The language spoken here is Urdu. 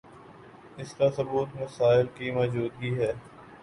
اسکا ثبوت مسائل کی موجودگی ہے